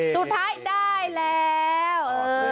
สุดท้ายได้แล้ว